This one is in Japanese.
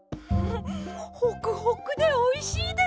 ホクホクでおいしいです！